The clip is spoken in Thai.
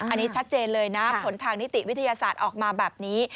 อันนี้ชัดเจนเลยนะผลทางนิติวิทยาศาสตร์ออกมาแบบนี้